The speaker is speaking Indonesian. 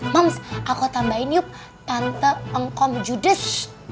moms aku tambahin yuk tante ngkom judes